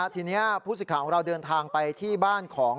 ทีนี้ผู้สิทธิ์ของเราเดินทางไปที่บ้านของ